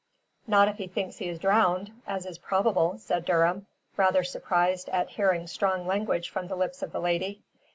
"Not if he thinks he is drowned, as is probable," said Durham, rather surprised at hearing strong language from the lips of the lady.